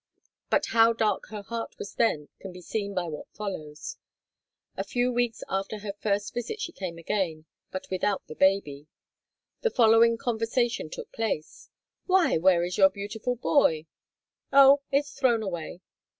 But how dark her heart was then can be seen by what follows. A few weeks after her first visit she came again, but without the baby. The following conversation took place: "Why! Where is your beautiful boy?" "Oh, it's thrown away."